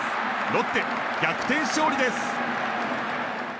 ロッテ、逆転勝利です！